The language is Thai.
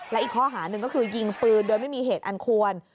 และอีกข้อหาหนึ่งก็คือยิงปืนโดยไม่มีเหตุอันควร